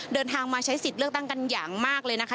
เดินทางมาใช้สิทธิ์เลือกตั้งกันอย่างมากเลยนะคะ